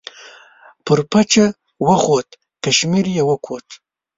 پر پچه وخوت کشمیر یې وکوت.